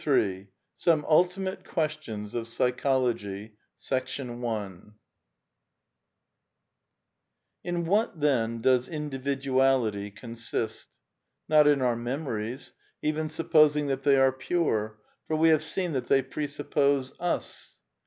Ill SOME ULTIMATE QUESTIONS OF PSYCHOLOGY In what, then, does Individuality consist? Not in our memories, even supposing that they are pure, for we have seen that they presuppose vs.